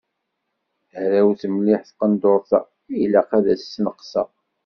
Hrawet mliḥ tqendurt-a, ilaq ad as-sneqseɣ.